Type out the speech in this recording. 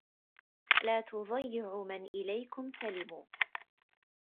لا تضيعوا من إليكم سلموا